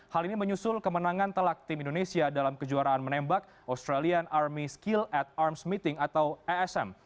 hal ini menyusul kemenangan telak tim indonesia dalam kejuaraan menembak australian army skill at arms meeting atau esm